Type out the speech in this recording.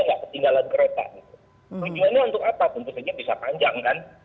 tidak ketinggalan kereta tujuan nya untuk apa tentu saja bisa panjang kan